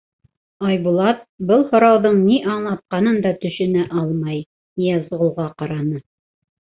Айбулат, был һорауҙың ни аңлатҡанын да төшөнә алмай, Ныязғолға ҡараны.